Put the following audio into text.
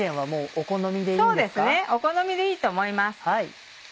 お好みでいいと思います。